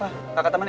aku mau ke tempat ini